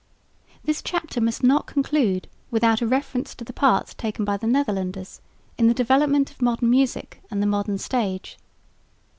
This chapter must not conclude without a reference to the part taken by the Netherlanders in the development of modern music and the modern stage.